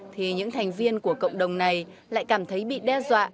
thì những thành viên của cộng đồng này lại cảm thấy bị đe dọa